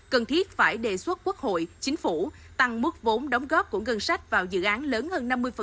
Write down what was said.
cần thiết phải đề xuất quốc hội chính phủ tăng mức vốn đóng góp của ngân sách vào dự án lớn hơn năm mươi